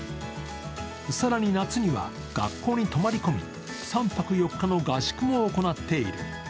更に、夏には学校に泊まり込み３泊４日の合宿を行っている。